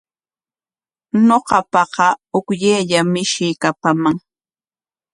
Ñuqapaqa hukllayllam mishii kapaman.